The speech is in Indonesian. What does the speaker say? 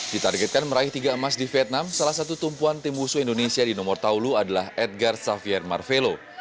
ditargetkan meraih tiga emas di vietnam salah satu tumpuan tim wusu indonesia di nomor taulu adalah edgar safier marvelo